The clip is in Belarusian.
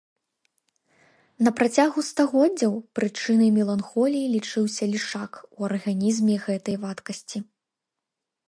На працягу стагоддзяў прычынай меланхоліі лічыўся лішак у арганізме гэтай вадкасці.